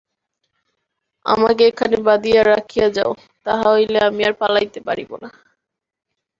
আমাকে এখানে বাঁধিয়া রাখিয়া যাও, তাহা হইলে আমি আর পলাইতে পারিব না।